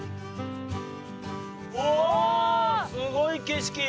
おすごい景色！